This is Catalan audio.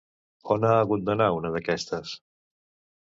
On ha hagut d'anar una d'aquestes?